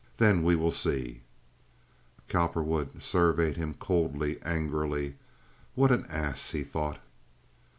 Then we weel see!" Cowperwood surveyed him coldly, angrily. "What an ass!" he thought.